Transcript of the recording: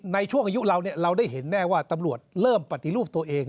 ในช่วงอายุเราเราได้เห็นแน่ว่าตำรวจเริ่มปฏิรูปตัวเอง